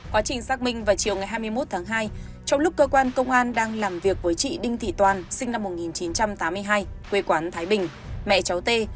quá trình xác minh vào chiều ngày hai mươi một tháng hai trong lúc cơ quan công an đang làm việc với chị đinh thị toàn sinh năm một nghìn chín trăm tám mươi hai quê quán thái bình mẹ cháu tê